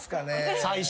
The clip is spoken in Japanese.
最初。